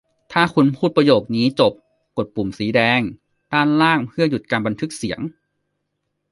ถ้าคุณพูดประโยคนี้จบ กดปุ่มสีแดงด้านล่างเพื่อหยุดการบันทึกเสียง